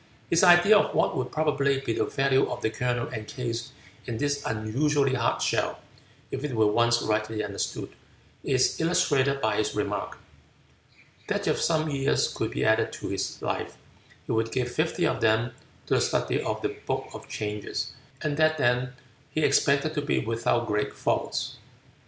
His idea of what would probably be the value of the kernel encased in this unusually hard shell, if it were once rightly understood, is illustrated by his remark, "that if some years could be added to his life, he would give fifty of them to the study of the Book of Changes and that then he expected to be without great faults."